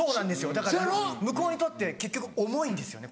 だから向こうにとって結局重いんですよね